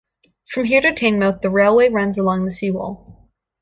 From here to Teignmouth the railway runs along the Sea Wall.